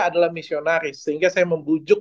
adalah misionaris sehingga saya membujuk